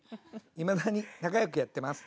いまだに仲良くやってます。